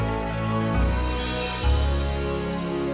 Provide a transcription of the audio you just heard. asal aku nggak takut loh